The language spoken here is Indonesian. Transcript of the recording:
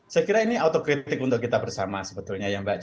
saya kira ini otokritik untuk kita bersama sebetulnya ya mbak